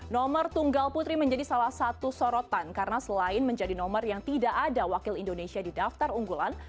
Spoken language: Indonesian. nomor tunggal putri menjadi salah satu sorotan karena selain menjadi nomor yang tidak ada wakil indonesia di daftar unggulan